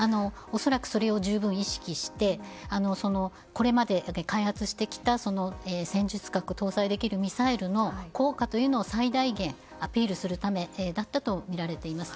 恐らくそれを十分意識してこれまで開発してきた戦術核を搭載できるミサイルの効果を最大限アピールするためだったとみられています。